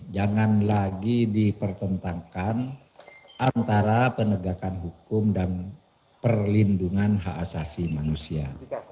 jangan lagi dipertentangkan antara penegakan hukum dan perlindungan hak asasi manusia